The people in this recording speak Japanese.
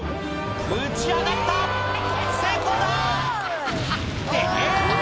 打ち上がった成功だ！ってえぇ！